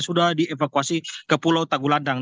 sudah dievakuasi ke pulau tagu landang